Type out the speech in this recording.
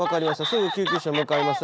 すぐ救急車向かいます。